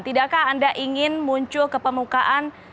tidakkah anda ingin muncul ke permukaan